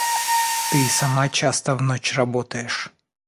Ты и сама часто в ночь работаешь.